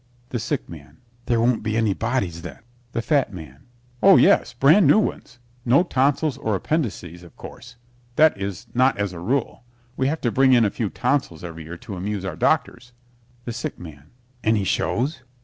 THE SICK MAN There won't be any bodies, then? THE FAT MAN Oh, yes, brand new ones. No tonsils or appendixes, of course. That is, not as a rule. We have to bring in a few tonsils every year to amuse our doctors. THE SICK MAN Any shows?